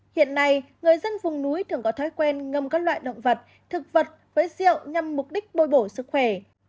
hiện nay người dân vùng núi thường có thói quen ngâm các loại động vật thực vật với rượu nhằm mục đích bôi bổ sức khỏe